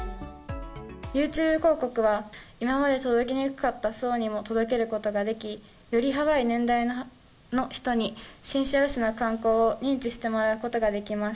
ユーチューブ広告は、今まで届きにくかった層にも届けることができ、より幅広い年代の人に新城市の観光を認知してもらうことができます。